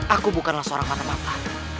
aku bukanlah seorang mata mata